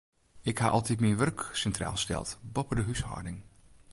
Ik ha altyd myn wurk sintraal steld, boppe de húshâlding.